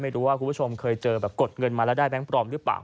คุณผู้ชมเคยเจอแบบกดเงินมาแล้วได้แบงค์ปลอมหรือเปล่า